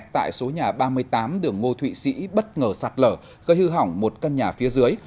tại số nhà ba mươi tám đường ngô thụy sĩ bất ngờ sạt lở gây hư hỏng một căn nhà phía dưới